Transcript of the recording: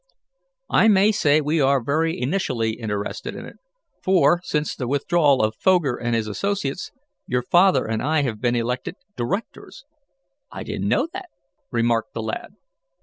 I may say we are very vitally interested in it, for, since the withdrawal of Foger and his associates, your father and I have been elected directors." "I didn't know that," remarked the lad.